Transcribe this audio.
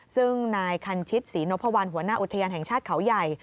ซึ่งนายคันชิตศรีนพวัลหัวหน้าอุทยานแห่งชาติเขาใหญ่